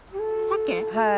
はい。